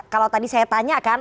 kalau tadi saya tanya kan